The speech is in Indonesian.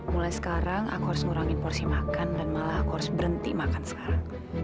mulai sekarang aku harus ngurangin porsi makan dan malah aku harus berhenti makan sekarang